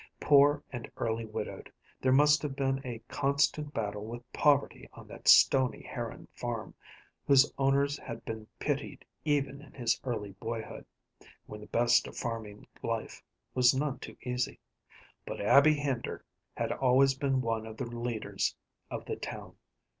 Poor and early widowed, there must have been a constant battle with poverty on that stony Harran farm, whose owners had been pitied even in his early boyhood, when the best of farming life was none too easy. But Abby Hender had always been one of the leaders of the town.